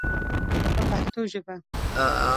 په پښتو ژبه.